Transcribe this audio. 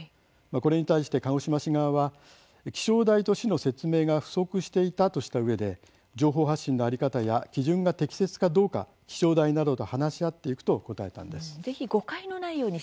これに対して、鹿児島市側は気象台と市の説明が不足していたとしたうえで情報発信の在り方や基準が適切かどうか気象台などと話し合っていくと答えたんです。